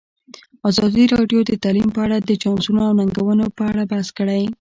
ازادي راډیو د تعلیم په اړه د چانسونو او ننګونو په اړه بحث کړی.